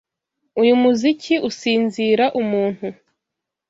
Uyu muziki usinzira umuntu.